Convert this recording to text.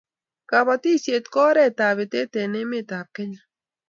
Kobotisiet ko oretap batet eng emetab Kenya